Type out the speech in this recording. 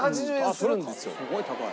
すごい高い。